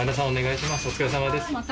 お願いします。